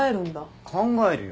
考えるよ。